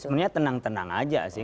sebenarnya tenang tenang aja sih